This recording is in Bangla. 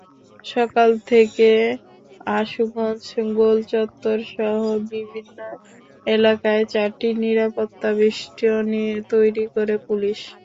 সকাল থেকে আশুগঞ্জ গোলচত্বরসহ বিভিন্ন এলাকায় চারটি নিরাপত্তাবেষ্টনী তৈরি করে পুলিশ।